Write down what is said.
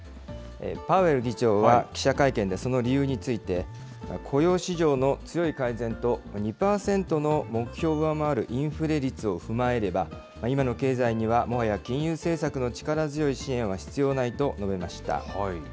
パウエル議長は記者会見で、その理由について、雇用市場の強い改善と、２％の目標を上回るインフレ率を踏まえれば、今の経済には、もはや金融政策の力強い支援は必要ないと述べました。